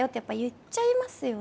言っちゃいますよね。